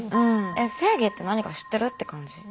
正義って何か知ってる？って感じ。